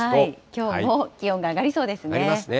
きょうも気温が上がりそうで上がりますね。